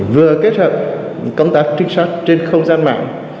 vừa kết hợp công tác trinh sát trên không gian mạng